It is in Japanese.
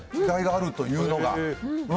違いがあるというのが。